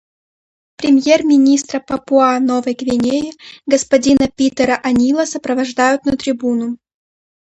Премьер-министра Папуа-Новой Гвинеи господина Питера О'Нила сопровождают на трибуну.